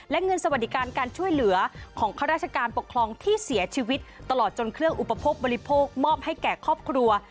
และเงินสวัสดิการการช่วยเหลือของข้าราชการปกครองที่เสียชีวิตตลอดจนเครื่องอุปโภคบริโภคมอบให้แก่ครอบครัว